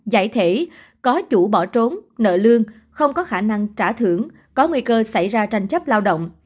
giải thể có chủ bỏ trốn nợ lương không có khả năng trả thưởng có nguy cơ xảy ra tranh chấp lao động